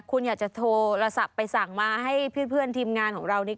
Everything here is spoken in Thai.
คุณอยากจะโทรศัพท์ไปสั่งมาให้เพื่อนทีมงานของเรานี่